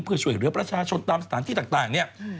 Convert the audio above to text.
เพื่อช่วยเหลือประชาชนตามสถานที่ต่างเนี่ย